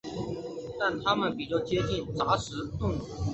但它们比较接近杂食动物。